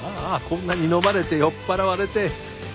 こんなに飲まれて酔っ払われて。